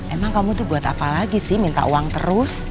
emang kamu tuh buat apa lagi sih minta uang terus